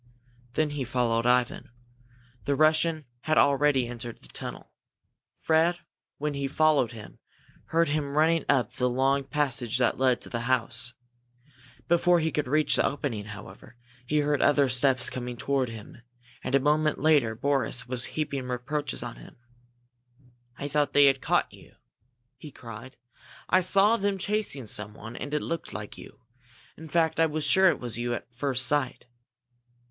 Then he followed Ivan. The Russian had already entered the tunnel. Fred, when he followed him, heard him running up the long passage that led up to the house. Before he could reach the opening, however, he heard other steps coming toward him, and a moment later Boris was heaping reproaches on him. "I thought they had caught you!" he cried. "I saw them chasing someone, and it looked like you. In fact, I was sure it was you at first sight."